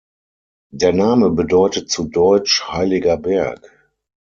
Der Name bedeutet zu deutsch "Heiliger Berg".